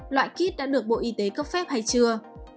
loại kit đã được bộ y tế cấp phép hay chưa